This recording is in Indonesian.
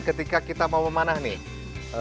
ketika kita mau memanah nih